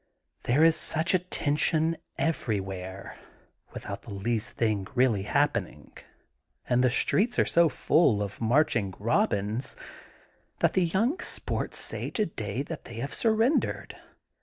There is such a tension everywhere (without the least thing really happening) and the streets are so full of marching Eobins that the young sports say today that they have surrendered.